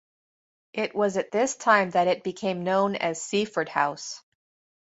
It was at this time that it became known as Seaford House.